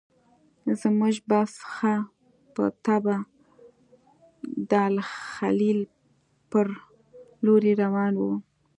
زموږ بس ښه په طبعه د الخلیل پر لوري روان و.